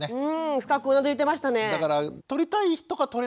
深くうなずいてましたね。